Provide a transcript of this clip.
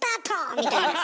みたいなさ。